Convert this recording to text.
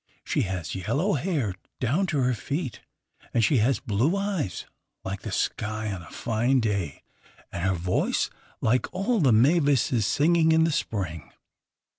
She has yellow hair down to her feet, and she has blue eyes, like the sky on a fine day, and her voice like all the mavises singing in the spring.